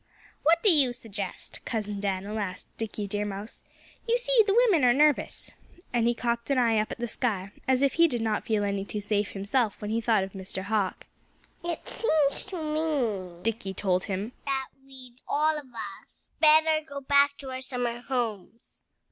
"What do you suggest?" Cousin Dan'l asked Dickie Deer Mouse. "You see the women are nervous." And he cocked an eye up at the sky, as if he did not feel any too safe himself when he thought of Mr. Hawk. "It seems to me," Dickie told him, "that we'd all of us better go back to our summer homes."